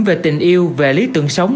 về tình yêu về lý tưởng sống